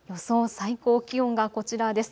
最高気温がこちらです。